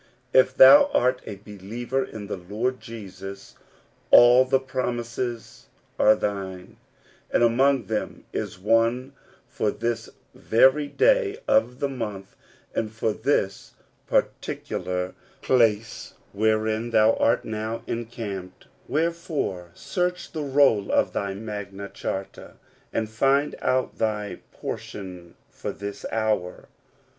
If thou art a believer in the Lord Jesus, all the promises are thine ; and among them is one for this very day of the month, and for this particular place 114 According to the Promise. wherein thou art now encamped : wherefore search the roll of thy Magna Charta, and find out thy pon tion for this hour.